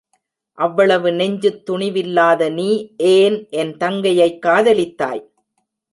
அவ்வளவு நெஞ்சுத் துணிவில்லாத நீ ஏன் என் தங்கையைக் காதலித்தாய்?